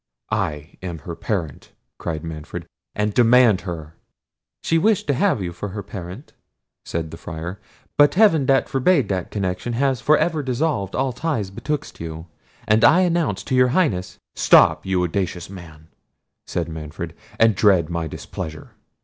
"I am her parent," cried Manfred, "and demand her." "She wished to have you for her parent," said the Friar; "but Heaven that forbad that connection has for ever dissolved all ties betwixt you: and I announce to your Highness—" "Stop! audacious man," said Manfred, "and dread my displeasure."